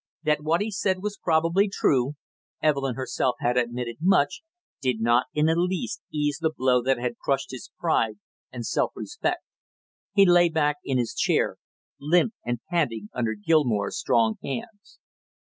That what he said was probably true Evelyn herself had admitted much did not in the least ease the blow that had crushed his pride and self respect. He lay back in his chair, limp and panting under Gilmore's strong hands.